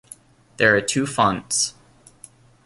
There are two fonts.